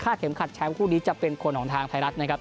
เข็มขัดแชมป์คู่นี้จะเป็นคนของทางไทยรัฐนะครับ